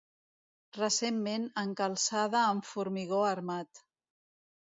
Recentment encalçada amb formigó armat.